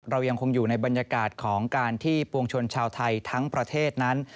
เรายังคงอยู่ในบรรยากาศของการที่ปวงชนชาวไทยทั้งประเทศนั้น